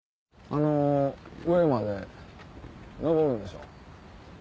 あの上まで登るんでしょ？